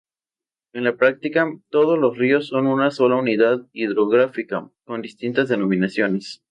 En la práctica, todos los ríos son una sola unidad hidrográfica con distintas denominaciones.